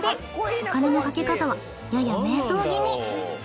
お金のかけ方はやや迷走気味。